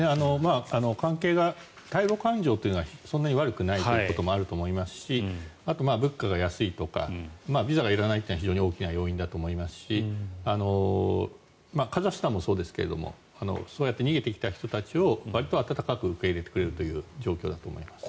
関係が対ロ感情というのはそんなに悪くないということもあると思いますしあと、物価が安いとかビザがいらないというのは非常に大きな要因だと思いますしカザフスタンもそうですけどもそうやって逃げてきた人たちをわりと温かく受け入れてくれるという状況だと思います。